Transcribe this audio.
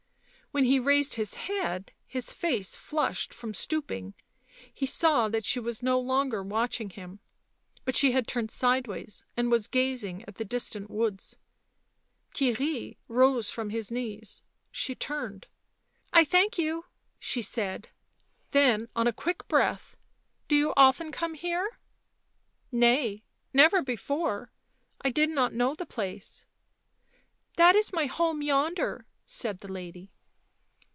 When he raised his head, his face flushed from stooping, he saw that she was no longer watching him, but she had turned sideways and w T as gazing at the distant woods. Theirry rose from his knees; she turned. " I thank you," she said; then, on a quick breath —" do you often come here ?"" Nay — never before— I did not know the place." " That is my home yonder," said the lady.